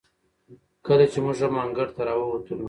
کله چې موږ هم انګړ ته راووتلو،